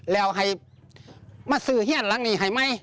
แล้วมาซื้อเหี้นหลังนี่ให้มั้ย